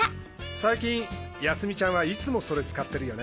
最近泰美ちゃんはいつもそれ使ってるよね！